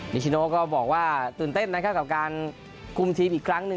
นิชิโนก็บอกว่าตื่นเต้นนะครับกับการคุมทีมอีกครั้งหนึ่ง